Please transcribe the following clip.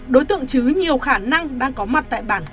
đối tượng trứ nhiều khả năng đang có mặt tại bản chim